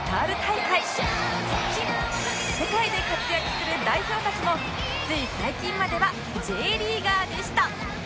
世界で活躍する代表たちもつい最近までは Ｊ リーガーでした